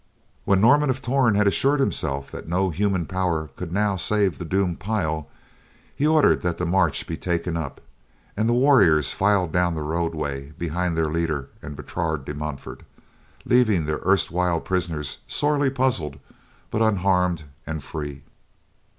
When Norman of Torn had assured himself that no human power could now save the doomed pile, he ordered that the march be taken up, and the warriors filed down the roadway behind their leader and Bertrade de Montfort, leaving their erstwhile prisoners sorely puzzled but unharmed and free.